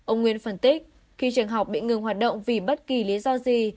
ông nguyên phân tích khi trường học bị ngừng hoạt động vì bất kỳ lý do gì